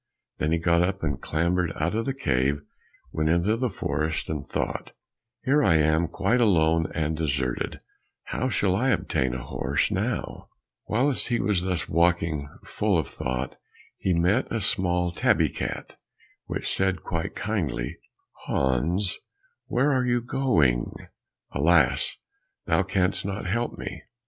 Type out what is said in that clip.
Then he got up and clambered out of the cave, went into the forest, and thought, "Here I am quite alone and deserted, how shall I obtain a horse now?" Whilst he was thus walking full of thought, he met a small tabby cat which said quite kindly, "Hans, where are you going?" "Alas, thou canst not help me."